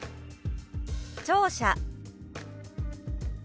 「聴者」。